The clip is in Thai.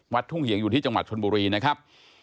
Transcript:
ทุ่งเหียงอยู่ที่จังหวัดชนบุรีนะครับ